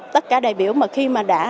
tất cả đại biểu mà khi mà đã